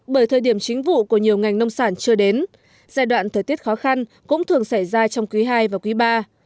bởi thời điểm chính vụ của nhiều ngành nông sản chưa đến giai đoạn thời tiết khó khăn cũng thường xảy ra trong quý ii và quý iii